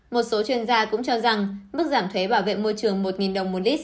một số chuyên gia cũng cho rằng mức giảm thuế bảo vệ môi trường một đồng một lít